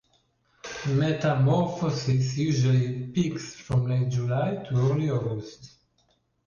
Metamorphosis usually peaks from late July to early August.